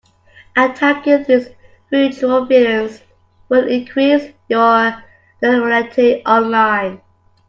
Attacking these virtual villains will increase your notoriety online.